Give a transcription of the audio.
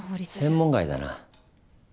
専門外だな。